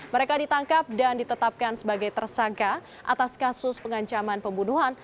mereka ditangkap dan ditetapkan sebagai tersangka atas kasus pengancaman pembunuhan